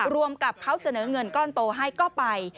รวมกับเขาเสนอเงินก้อนโตให้ก็ไป